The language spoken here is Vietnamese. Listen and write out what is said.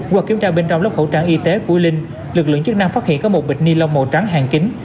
qua kiểm tra bên trong lúc khẩu trang y tế của linh lực lượng chức năng phát hiện có một bịch ni lông màu trắng hàng kính